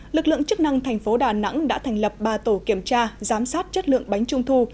lực lượng chức năng thành phố đà nẵng đã thành lập ba tổ kiểm tra giám sát chất lượng bánh trung thu